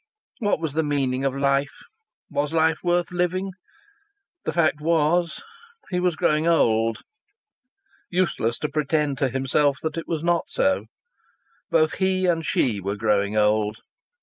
What was the meaning of life? Was life worth living? The fact was he was growing old. Useless to pretend to himself that it was not so. Both he and she were growing old.